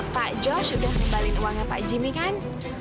pak josh udah kembalin uangnya pak jimmy kan